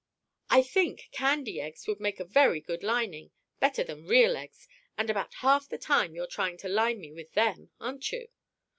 "I think candy eggs would make a very good lining, better than real eggs; and about half the time you're trying to line me with them, aren't you?